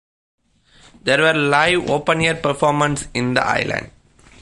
There were live open-air performances in the island.